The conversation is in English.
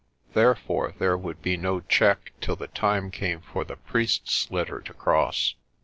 Therefore there would be no check till the time came for the priest's litter to cross.